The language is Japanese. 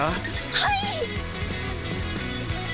はい！